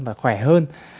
và khỏe hơn